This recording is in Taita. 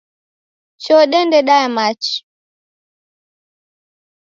Choo dende daya machi.